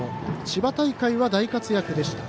千葉大会は大活躍でした。